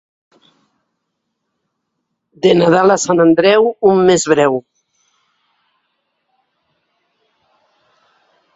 De Nadal a Sant Andreu, un mes breu.